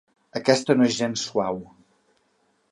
Aquesta no és gens suau.